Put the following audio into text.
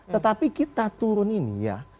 tetapi kita turun ini ya